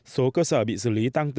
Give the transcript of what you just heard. số cơ sở bị xử lý tăng từ một mươi bảy sáu